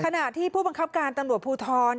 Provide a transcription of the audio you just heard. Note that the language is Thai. ขณะที่ผู้บังคับการตำรวจภูทร